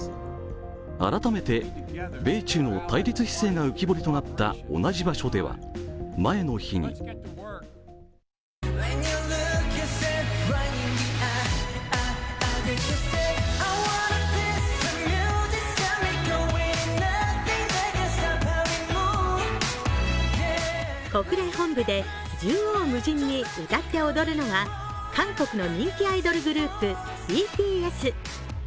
改めて米中の対立姿勢が浮き彫りとなった同じ場所では前の日に国連本部で縦横無尽に歌って踊るのは韓国の人気アイドルグループＢＴＳ。